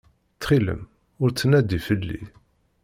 Ttxilem ur ttnadi fell-i.